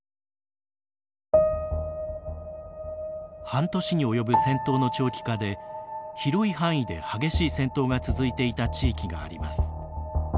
半年に及ぶ戦闘の長期化で広い範囲で激しい戦闘が続いていた地域があります。